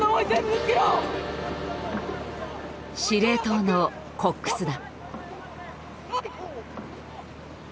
司令塔の「コックス」だ。